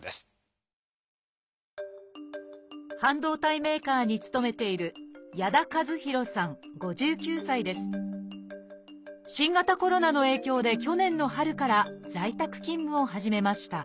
半導体メーカーに勤めている新型コロナの影響で去年の春から在宅勤務を始めました